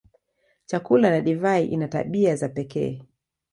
Chakula na divai ina tabia za pekee.